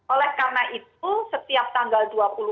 oleh karena itu setiap tanggal